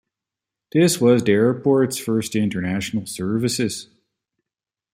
This was the airport's first international services.